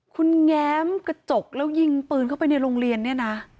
คุณแง้มกระจกแล้วยิงปืนเข้าไปในโรงเรียนเนี่ยนะ